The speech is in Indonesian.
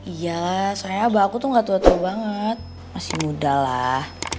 iya soalnya abah aku tuh gak tua tua banget masih muda lah